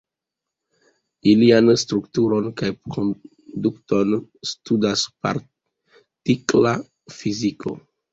Ilian strukturon kaj konduton studas partikla fiziko.